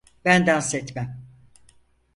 Ben dans etmem.